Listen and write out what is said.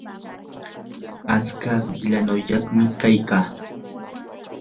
atska qilayniyuqmi kaykaa